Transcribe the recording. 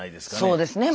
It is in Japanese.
そうですね。